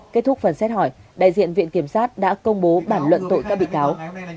kết thúc phần xét hỏi đại diện viện kiểm sát đã công bố bản luận tội các bị cáo